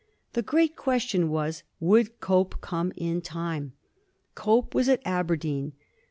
The great question was would Cope come in time? Cope was at Aberdeen.